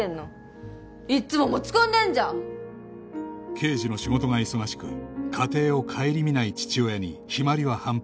刑事の仕事が忙しく家庭を顧みない父親に陽葵は反発